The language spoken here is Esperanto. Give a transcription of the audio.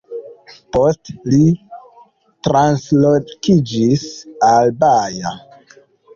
Poste li translokiĝis al Baja.